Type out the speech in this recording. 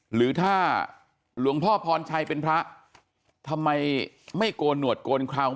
หรือถ้าหลวงพ่อพรชัยเป็นพระทำไมไม่โกนหนวดโกนคราว